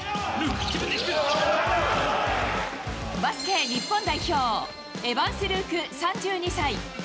バスケ日本代表、エヴァンス・ルーク３２歳。